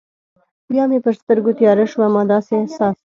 بیا مې پر سترګو تیاره شوه، ما داسې احساس وکړل.